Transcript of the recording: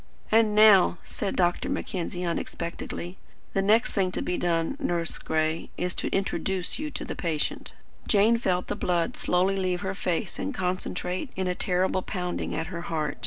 "And now," said Dr. Mackenzie unexpectedly, "the next thing to be done, Nurse Gray, is to introduce you to the patient." Jane felt the blood slowly leave her face and concentrate in a terrible pounding at her heart.